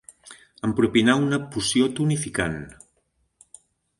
Em propinà una poció tonificant.